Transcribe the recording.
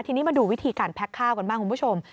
ทีนี้มาดูวิธีการแพ็คข้าวกันบ้างคุณผู้ชม